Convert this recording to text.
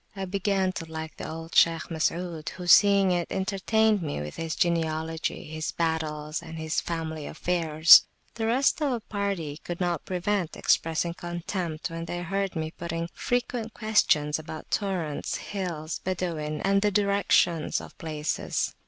I began to like the old Shaykh Masud, who, seeing it, entertained me with his genealogy, his battles, and his family affairs. The rest of the party could not prevent expressing contempt when they heard me putting frequent questions about torrents, hills, Badawin, and the directions of places.